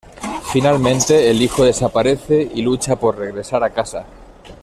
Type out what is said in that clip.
Finalmente, el hijo desaparece, y lucha por regresar a casa.